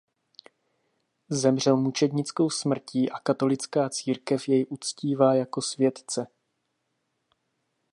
Zemřel mučednickou smrtí a katolická církev jej uctívá jako světce.